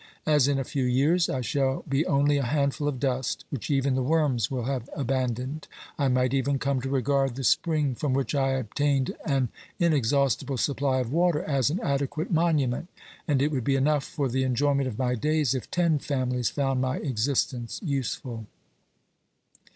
As in a few years I shall be only a handful of dust, which even the worms will have abandoned, I might even come to regard the spring from which I obtained an inexhaustible supply of water as an adequate monument, and it would be enough for the enjoyment of my days if ten families found my existence useful.